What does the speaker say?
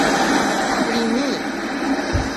Pri mi!